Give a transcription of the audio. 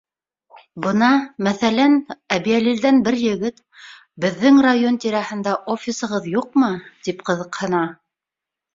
Бына, мәҫәлән, Әбйәлилдән бер егет, беҙҙең район тирәһендә офисығыҙ юҡмы, тип ҡыҙыҡһына.